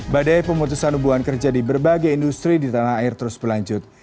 badai pemutusan hubungan kerja di berbagai industri di tanah air terus berlanjut